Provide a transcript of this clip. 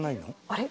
あれ？